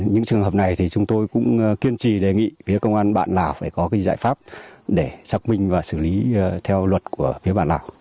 những trường hợp này thì chúng tôi cũng kiên trì đề nghị phía công an bản lào phải có cái giải pháp để xác minh và xử lý theo luật của phía bản lào